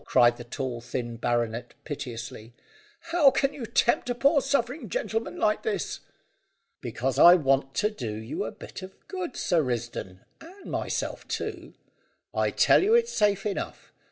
cried the tall thin baronet piteously, "how can you tempt a poor suffering gentleman like this?" "Because I want to do you a bit of good, Sir Risdon, and myself too. I tell you it's safe enough.